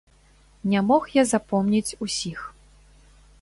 Не мог я запомніць усіх.